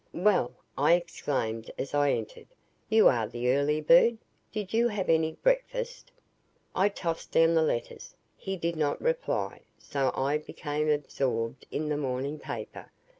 "Well," I exclaimed as I entered, "you are the early bird. Did you have any breakfast?" I tossed down the letters. He did not reply. So I became absorbed in the morning paper.